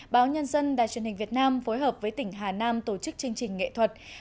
báo nhân dân đài truyền hình việt nam phối hợp với tỉnh hà nam tổ chức chương trình nghệ thuật